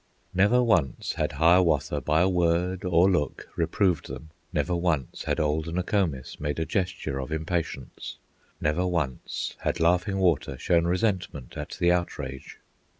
Never once had Hiawatha By a word or look reproved them; Never once had old Nokomis Made a gesture of impatience; Never once had Laughing Water Shown resentment at the outrage.